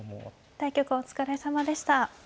対局お疲れさまでした。